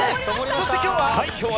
そして今日は。